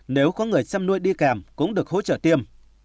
nếu có người chăn nuôi đi kèm cũng được hỗ trợ tiêm